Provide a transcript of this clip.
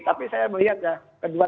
tapi saya melihatnya kedua